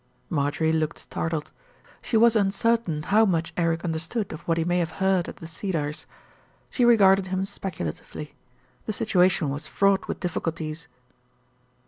Marjorie looked startled. She was uncertain how much Eric understood of what he may have heard at The Cedars. She regarded him speculatively. The situation was fraught with difficulties.